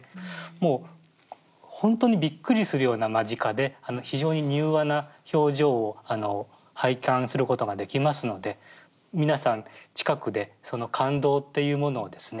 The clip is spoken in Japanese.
もうほんとにびっくりするような間近で非常に柔和な表情を拝観することができますので皆さん近くでその感動っていうものをですね